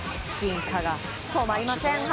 進化が止まりません